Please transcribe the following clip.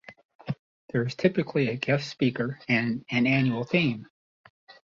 There is typically a guest speaker and an annual theme.